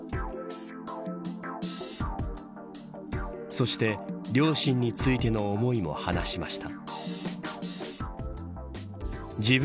そして両親についての思いも話しました。